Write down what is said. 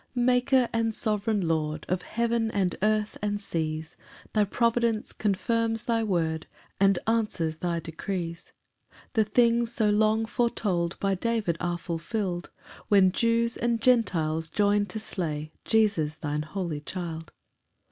1 [Maker and sovereign Lord Of heaven, and earth, and seas, Thy providence confirms thy word, And answers thy decrees. 2 The things so long foretold By David are fulfill'd, When Jews and Gentiles join to slay Jesus, thine holy child.